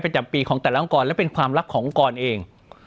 จำปีของแต่ละองค์กรและเป็นความรักขององค์กรเอง